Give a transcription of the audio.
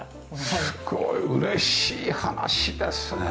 すごい嬉しい話ですね。